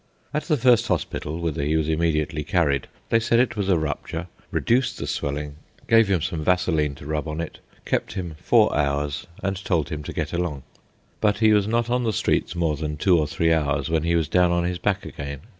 At the first hospital, whither he was immediately carried, they said it was a rupture, reduced the swelling, gave him some vaseline to rub on it, kept him four hours, and told him to get along. But he was not on the streets more than two or three hours when he was down on his back again.